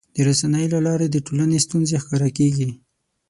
د رسنیو له لارې د ټولنې ستونزې ښکاره کېږي.